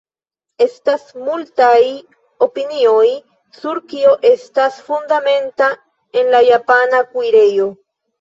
Estas multaj opinioj sur kio estas fundamenta en la japana kuirejo.